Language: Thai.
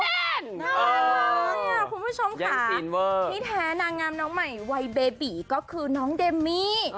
คุณผู้ชมค่ะที่แท้นางงามน้องใหม่วัยเบบีก็คือน้องเดมมี่